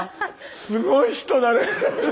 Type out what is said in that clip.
すごい人だね！